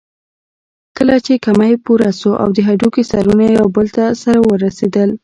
کله چې کمى پوره شو او د هډوکي سرونه يو بل ته سره ورسېدل.